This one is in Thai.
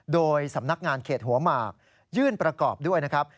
โดยสำนักงานเขตหัวหมากยื่นประกอบด้วยนะครับ